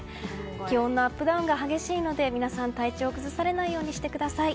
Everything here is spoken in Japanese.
気温のアップダウンが激しいので皆さん、体調を崩されないようにしてください。